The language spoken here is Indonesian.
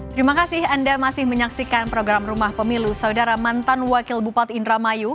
terima kasih anda masih menyaksikan program rumah pemilu saudara mantan wakil bupati indramayu